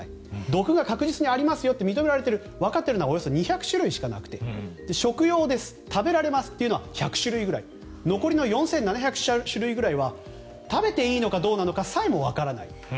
毒が確実にありますよと認められているわかっているのは２００種類しかなくて食用です食べられますというのは１００種類残りの４７００種類くらいは食べていいのかどうなのかさえもわからない。